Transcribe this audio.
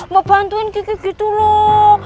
mau bantuin kiki gitu loh